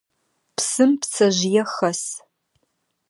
Псым пцэжъые хэс.